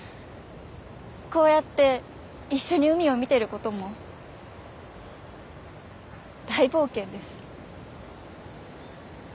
こうやって一緒に海を見てることも大冒険です。